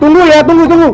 tunggu ya tunggu tunggu